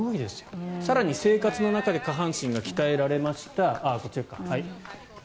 更に、生活の中で下半身が鍛えられました。